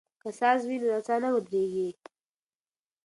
که ساز وي نو نڅا نه ودریږي.